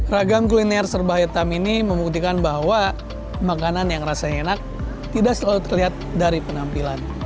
ragam kuliner serba hitam ini membuktikan bahwa makanan yang rasanya enak tidak selalu terlihat dari penampilan